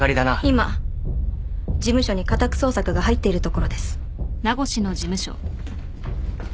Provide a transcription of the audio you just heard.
今事務所に家宅捜索が入っているところです。